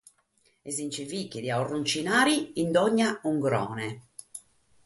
E si nche fichit a runchinare in onni ungrone.